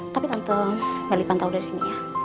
tapi tante meli pantau dari sini ya